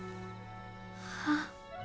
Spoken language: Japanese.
あっ。